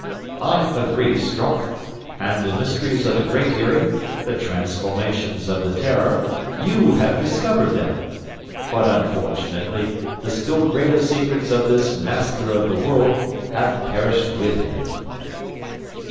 "I agree, Strock; and the mysteries of the Great Eyrie, the transformations of the "Terror," you have discovered them! But unfortunately, the still greater secrets of this Master of the World have perished with him."